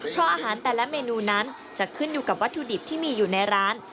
เพราะอาหารแต่ละเมนูนั้นจะขึ้นอยู่กับวัตถุดิบที่มีอยู่ในร้าน